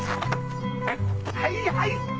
はいはい！